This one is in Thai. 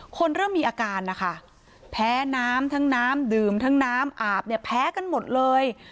เริ่มมีอาการนะคะแพ้น้ำทั้งน้ำดื่มทั้งน้ำอาบเนี่ยแพ้กันหมดเลย